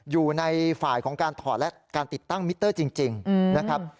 อยู่ในฝ่ายของการถอดและการติดตั้งมิเตอร์จริงนะครับ